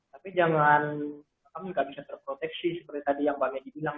tapi jangan kami nggak bisa terproteksi seperti tadi yang banyak dibilang